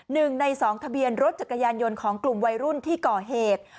หนึ่งในสองทะเบียนรถจักรยานยนต์ของกลุ่มวัยรุ่นที่ก่อเหตุ